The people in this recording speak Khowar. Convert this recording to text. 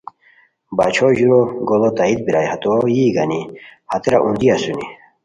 باچھو ژورو گوڑو تائیت بیرائے ہتو یی گانی ہتیرا اوندی اسونی